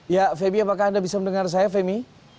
ya femi apakah anda bisa mendengar saya femi